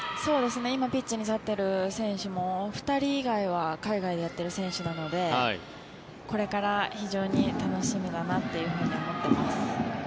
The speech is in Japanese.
今ピッチに立っている選手も２人以外は海外でやっている選手なのでこれから非常に楽しみだなと思っています。